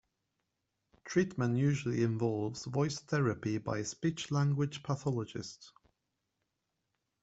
Treatment usually involves voice therapy by a speech language pathologist.